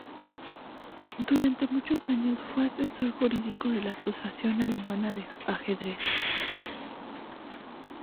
Durante muchos años fue asesor jurídico de la Asociación Alemana de Ajedrez.